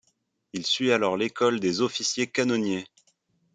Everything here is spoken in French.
Il suit alors l'école des officiers canonniers.